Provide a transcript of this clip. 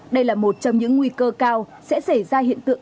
đây là một trong những nguy cơ cao sẽ xảy ra hiện tượng